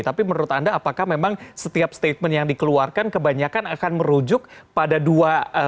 tapi menurut anda apakah memang setiap statement yang dikeluarkan kebanyakan akan merujuk pada dua